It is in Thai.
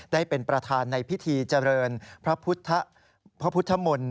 ได้เป็นประธานในพิธีเจริญพระพุทธมนตร์